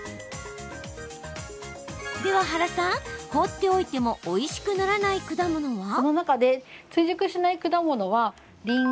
では原さん、放っておいてもおいしくならない果物は？